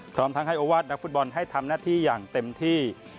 พร้อมทั้งให้โอวาสนักฟุตบอลให้ทำหน้าที่อย่างเต็มที่